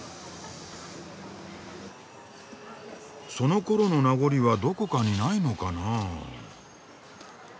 そのころの名残はどこかにないのかなあ？